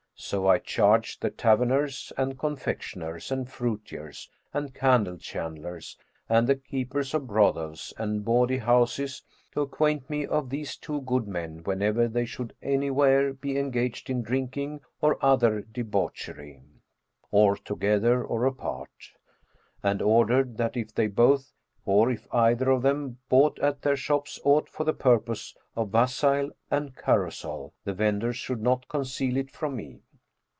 So I charged the taverners and confectioners and fruiterers and candle chandlers and the keepers of brothels and bawdy houses to acquaint me of these two good men whenever they should anywhere be engaged in drinking or other debauchery, or together or apart; and ordered that, if they both or if either of them bought at their shops aught for the purpose of wassail and carousel, the vendors should not conceal it from me.